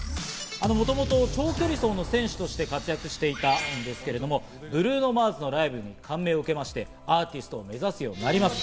もともと長距離走の選手として活躍していたんですけれども、ブルーノ・マーズのライブに感銘を受けまして、アーティストを目指すようになります。